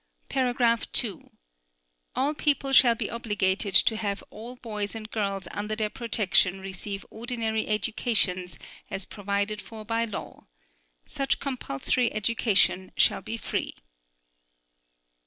(2) All people shall be obligated to have all boys and girls under their protection receive ordinary educations as provided for by law. Such compulsory education shall be free.